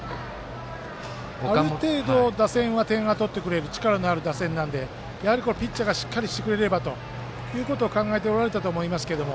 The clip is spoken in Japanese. ある程度打線は点を取ってくれる力のある打線なんでやはりピッチャーがしっかりしてくれればと考えておられたと思いますけれど。